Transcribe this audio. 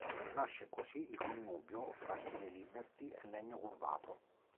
Nasce così il connubio fra stile Liberty e legno curvato.